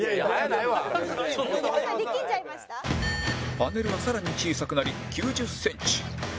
パネルはさらに小さくなり９０センチ